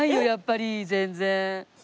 やっぱり全然。